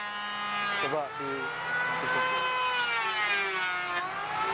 kayu lurus seperti ini